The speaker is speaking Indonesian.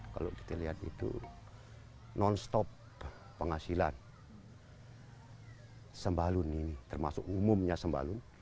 kalau kita lihat itu non stop penghasilan sembalun ini termasuk umumnya sembalun